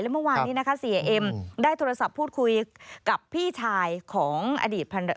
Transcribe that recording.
เมื่อวานนี้นะคะเสียเอ็มได้โทรศัพท์พูดคุยกับพี่ชายของอดีตภรรยา